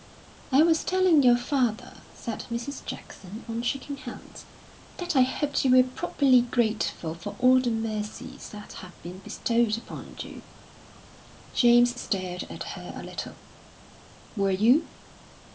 "I was telling your father," said Mrs. Jackson, on shaking hands, "that I hoped you were properly grateful for all the mercies that have been bestowed upon you." James stared at her a little. "Were you?"